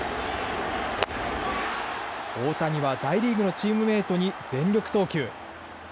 大谷は大リーグのチームメートに全力投球。